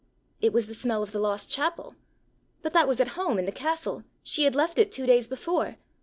It was the smell of the lost chapel! But that was at home in the castle! she had left it two days before!